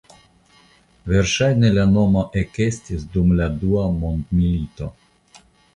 Verŝajne la nomo ekestis dum la Dua Mondmilito.